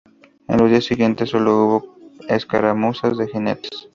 En los días siguientes, solo hubo escaramuzas de jinetes.